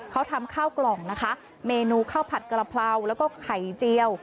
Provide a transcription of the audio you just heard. เขาทำข้าวกล่องนะคะเมนูข้าวผัดกระเพราแล้วก็ไข่เจียว